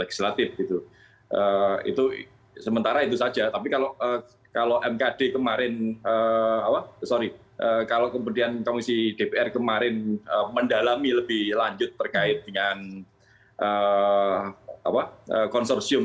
itu sementara itu saja tapi kalau kemudian komisi dpr kemarin mendalami lebih lanjut terkait dengan konsorsium tiga ratus tiga